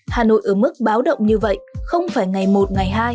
hà nội ở mức báo động như vậy không phải ngày một ngày hai